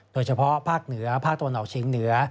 โดยเฉพาะภาคเหนือภาคตะวันออกเฉียงเหนือ